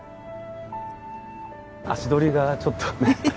足取りがちょっとねえ？